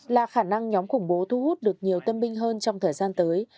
là khả năng nhóm khủng bố thu hút được nhiều tân binh hơn trong thời gian tới